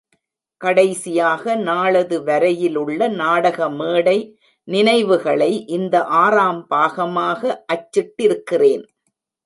கடைசியாக நாளது வரையிலுள்ள நாடக மேடை நினைவுகளை இந்த ஆறாம் பாகமாக அச்சிட்டிருக்கிறேன்.